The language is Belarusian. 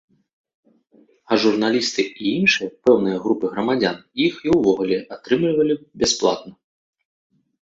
А журналісты і іншыя пэўныя групы грамадзян іх і ўвогуле атрымлівалі б бясплатна.